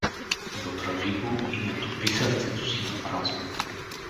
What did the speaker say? Забрави го и не топи сърцето си напразно.